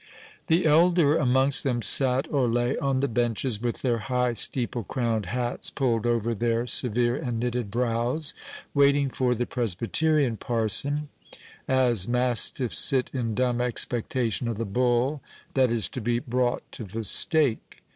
The elder amongst them sate or lay on the benches, with their high steeple crowned hats pulled over their severe and knitted brows, waiting for the Presbyterian parson, as mastiffs sit in dumb expectation of the bull that is to be brought to the stake.